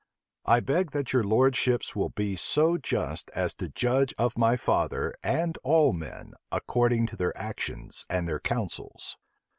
I beg that your lordships will be so just as to judge of my father and all men according to their actions and their counsels."